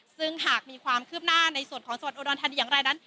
ซึ่งหากมีความคืบหน้าในส่วนของจังหวัดอุดรธานีอย่างไรนั้น